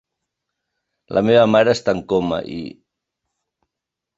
La meva mare està en coma i...